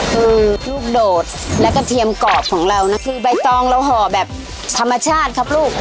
คือลูกโดดและกระเทียมกรอบของเรานะคือใบตองเราห่อแบบธรรมชาติครับลูก